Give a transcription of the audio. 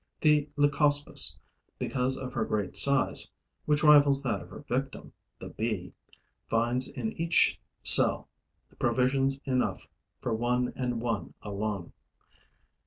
The Leucospis, because of her great size, which rivals that of her victim, the Bee, finds in each cell provisions enough for one and one alone.